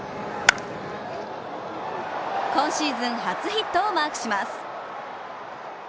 今シーズン初ヒットをマークします。